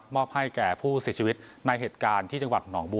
มอบให้ผู้เสียชีวิตในเหตุการณ์ที่น้องบัว